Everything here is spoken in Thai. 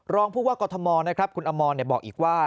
รองผู้ว่ากอทมนะครับคุณอมรบอกอีกว่า